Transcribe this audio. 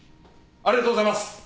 ありがとうございます